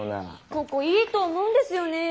ここいいと思うんですよねー。